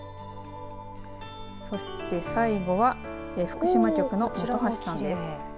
そして最後は福島局の本橋さんです。